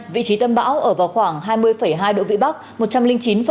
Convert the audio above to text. vị trí tâm bão ở vào khoảng hai mươi hai độ vĩ bắc